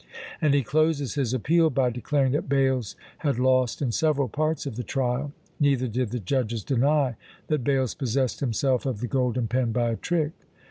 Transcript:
And he closes his "appeal" by declaring that Bales had lost in several parts of the trial, neither did the judges deny that Bales possessed himself of the golden pen by a trick!